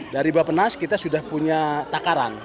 dari bapenas kita sudah punya takaran